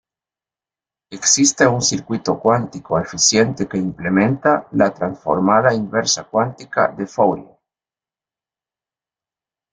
Existe un circuito cuántico eficiente que implementa la transformada inversa cuántica de Fourier.